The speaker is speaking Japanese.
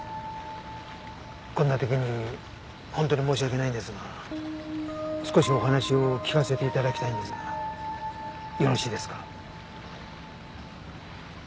こんな時に本当に申し訳ないんですが少しお話を聞かせて頂きたいんですがよろしいですか？